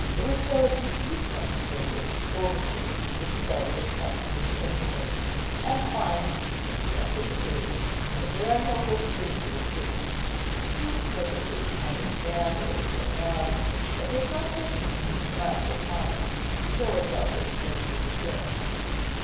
Aristo has received from Jucundus the overtures which Agellius had commissioned him to make, and finds, as he anticipated, that they are no great news to his sister. She perfectly understands what is going on, but does not care to speak much upon it, till Agellius makes his appearance.